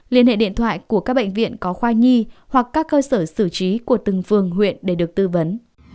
liên hệ điện thoại của các bệnh viện có khoai nhi hoặc các cơ sở xử trí của từng phường huyện để được tư vấn